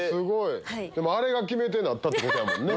あれが決め手になったってことやもんな。